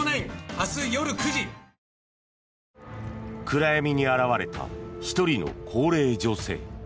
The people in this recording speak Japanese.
暗闇に現れた１人の高齢女性。